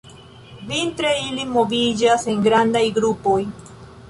Vintre ili moviĝas en grandaj grupoj.